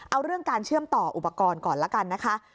เอาเรื่องการเชื่อมต่ออุปกรณ์ก่อนละกันนะคะ